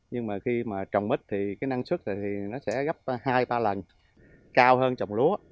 nhưng mà khi mà trồng mít thì cái năng suất này thì nó sẽ gấp hai ba lần cao hơn trồng lúa